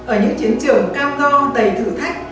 ở những chiến trường cao co đầy thử thách